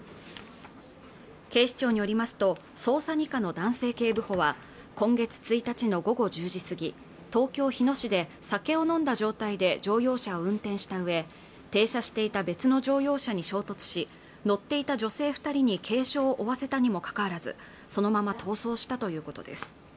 警視庁によりますと捜査２課の男性警部補は今月１日の午後１０時過ぎ東京日野市で酒を飲んだ状態で乗用車を運転したうえ停車していた別の乗用車に衝突し乗っていた女性二人に軽傷を負わせたにもかかわらずそのまま逃走したということです